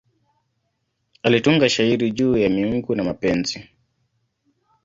Alitunga shairi juu ya miungu na mapenzi.